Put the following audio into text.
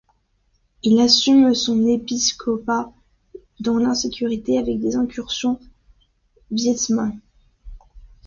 Il assume son épiscopat dans l'insécurité, avec des incursions vietminhs.